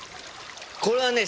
これはね